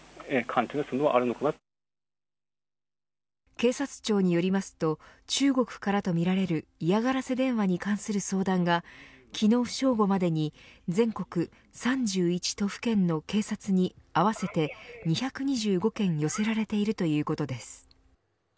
警察庁によりますと中国からとみられる嫌がらせ電話に関する相談が昨日正午までに全国３１都府県の警察に合わせて２２５件寄せられているということです。